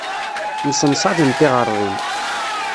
Msenṣalen tiɣeṛdin.